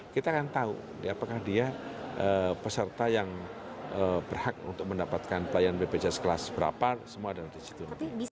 kita akan tahu apakah dia peserta yang berhak untuk mendapatkan pelayanan bpjs kelas berapa semua ada di situ